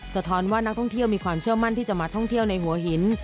สะท้อนว่านักท่องเที่ยวมีความเชื่อมั่นที่จะมาท่องเที่ยวในหัวหิน